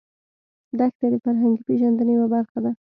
دښتې د فرهنګي پیژندنې یوه برخه ده.